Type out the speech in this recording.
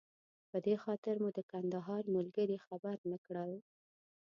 په دې خاطر مو د کندهار ملګري خبر نه کړل.